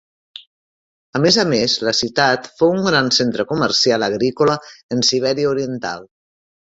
A més a més, la ciutat fou un gran centre comercial agrícola en Sibèria oriental.